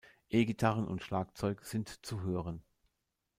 E-Gitarren und Schlagzeug sind zu hören.